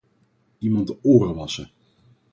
Iemand de oren wassen.